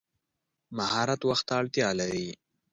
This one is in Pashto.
مهارت وخت ته اړتیا لري.